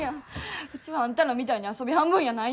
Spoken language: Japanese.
ウチはあんたらみたいに遊び半分やないんや！